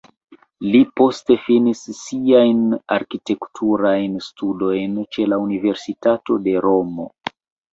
Li poste finis siajn arkitekturajn studojn ĉe la Universitato de Romo.